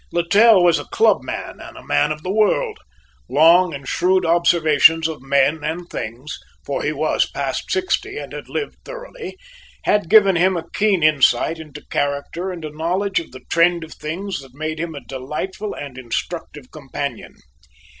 Littell was a clubman and a man of the world; long and shrewd observations of men and things for he was past sixty and had lived thoroughly had given him a keen insight into character and a knowledge of the trend of things that made him a delightful and instructive companion.